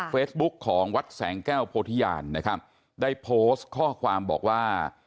เฟซบุ๊คของวัดแสงแก้วโพธิญาณนะครับได้โพสต์ข้อความบอกว่า